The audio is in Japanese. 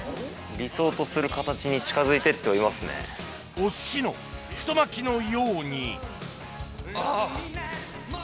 おすしの太巻きのようにあっ！